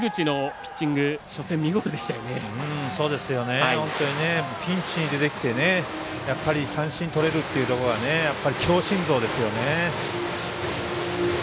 ピンチに出てきて三振とれるっていうところが強心臓ですよね。